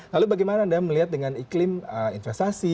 lalu bagaimana anda melihat dengan iklim investasi